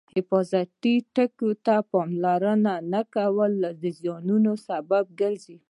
حفاظتي ټکو ته پاملرنه نه کول د زیانونو سبب ګرځي.